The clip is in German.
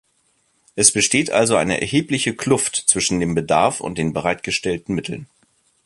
Es besteht also eine erhebliche Kluft zwischen dem Bedarf und den bereitgestellten Mitteln.